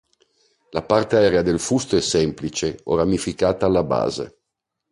La parte aerea del fusto è semplice o ramificata alla base.